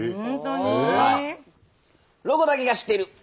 「ロコだけが知っている」。